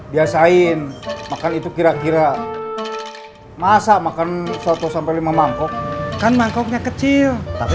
biasain makan itu kira kira masak makan satu lima mangkok kan mangkoknya kecil tapi